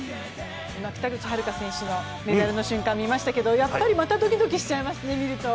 北口榛花選手のメダルの瞬間を見ましたけどやっぱりまたドキドキしちゃいますよね、見ると。